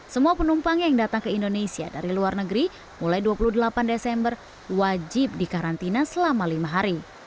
semua penumpang yang datang ke indonesia dari luar negeri mulai dua puluh delapan desember wajib dikarantina selama lima hari